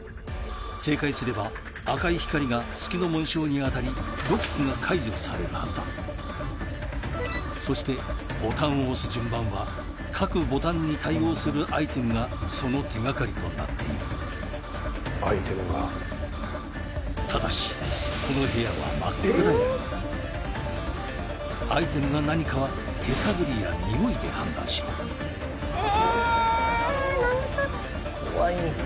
正解すれば赤い光が月の紋章に当たりロックが解除されるはずだそしてボタンを押す順番は各ボタンに対応するアイテムがその手がかりとなっているアイテムがただしこのアイテムが何かは手探りや匂いで判断しろえ